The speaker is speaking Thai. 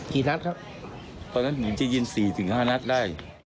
กี่นัดครับตอนนั้นจริงจริงสี่ถึงห้านัดได้